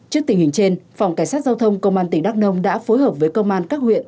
trước tình hình trên phòng cảnh sát giao thông công an tỉnh đắk nông đã phối hợp với công an các huyện